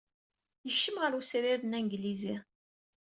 Yekcem ɣer wesrir-nni anglizi.